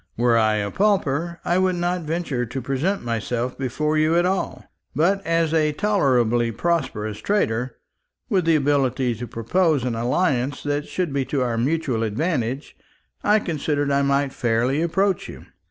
Were I a pauper, I would not venture to present myself before you at all; but as a tolerably prosperous trader, with the ability to propose an alliance that should be to our mutual advantage, I considered I might fairly approach you."